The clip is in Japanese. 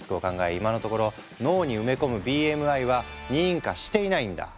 今のところ脳に埋め込むＢＭＩは認可していないんだ。